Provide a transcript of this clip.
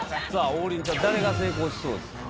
王林ちゃん誰が成功しそうですか？